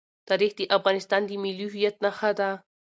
تاریخ د افغانستان د ملي هویت نښه ده.